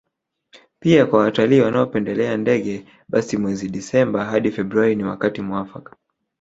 Pia kwa watalii wanaopendelea ndege basi mwezi Disemba hadi Februari ni wakati muafaka